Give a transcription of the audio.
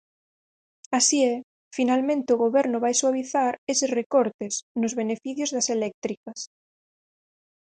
Así é, finalmente o Goberno vai suavizar eses recortes nos beneficios das eléctricas.